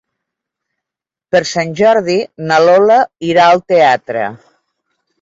Per Sant Jordi na Lola irà al teatre.